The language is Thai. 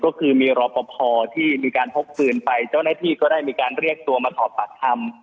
ก็คือมีรอปภที่มีการพกปืนไปเจ้าหน้าที่ก็ได้มีการเรียกตัวมาสอบปากคำ